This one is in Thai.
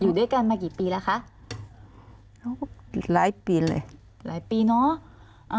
อยู่ด้วยกันมากี่ปีแล้วคะหลายปีเลยหลายปีเนอะ